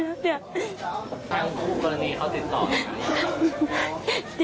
ทั้งคู่กรณีเขาติดต่ออยู่ไหน